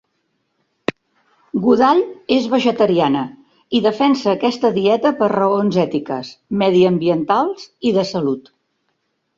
Goodall és vegetariana i defensa aquesta dieta per raons ètiques, mediambientals i de salut.